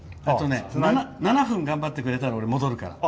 ７分、頑張ってくれたら俺、戻るから。